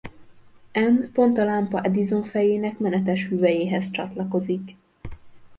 N pont a lámpa Edison-fejének menetes hüvelyéhez csatlakozik.